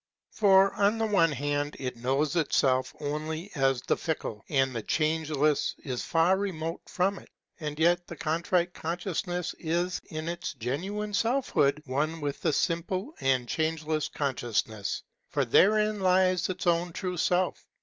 For on the one hand it knows itself only as the fickle ; and the changeless is far remote from it. And yet the Contrite Consciousness is in its genuine selfhood one with the simple and Changeless Consciousness; for therein lies its own true Self.